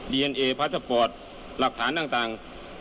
เอ็นเอพาสปอร์ตหลักฐานต่าง